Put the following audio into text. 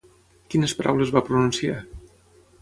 Quines paraules va pronunciar?